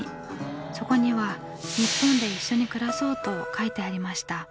そこには「日本で一緒に暮らそう」と書いてありました。